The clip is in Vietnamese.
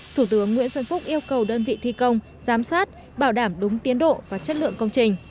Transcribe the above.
thủ tướng nguyễn xuân phúc yêu cầu đơn vị thi công giám sát bảo đảm đúng tiến độ và chất lượng công trình